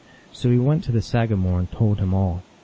So he went to the sagamore and told him all.